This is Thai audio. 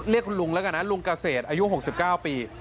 เรียกลุงล่ะกันลุงเกษตรอายุ๖๙ปี